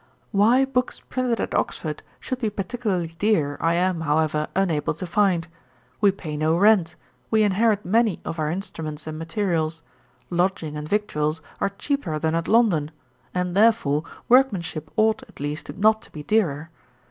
'Why books printed at Oxford should be particularly dear, I am, however, unable to find. We pay no rent; we inherit many of our instruments and materials; lodging and victuals are cheaper than at London; and, therefore, workmanship ought, at least, not to be dearer.